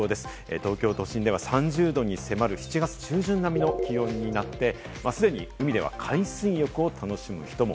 東京都心では３０度に迫る７月中旬並みの気温になって、すでに海では海水浴を楽しむ人も。